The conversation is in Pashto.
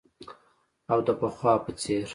او د پخوا په څیر